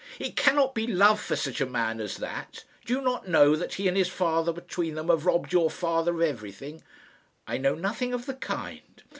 "It cannot be love for such a man as that. Do you not know that he and his father between them have robbed your father of everything?" "I know nothing of the kind."